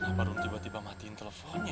kenapa rum tiba tiba matiin teleponnya ya